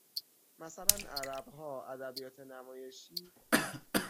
مثلاً عربها ادبیات نمایشی